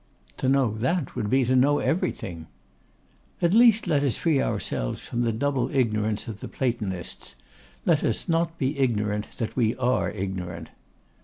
'To know that would be to know everything.' 'At least let us free ourselves from the double ignorance of the Platonists. Let us not be ignorant that we are ignorant.